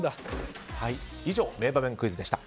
以上、名場面クイズでした。